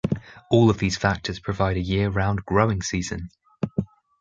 All of these factors provide a year-round growing season.